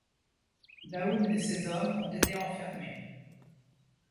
Daoud et ses hommes ont été enfermés.